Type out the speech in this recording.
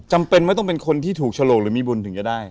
จำเป็นไม่ต้องเป็นคนที่ถูกฉลกหรือมีบุญถึงจะได้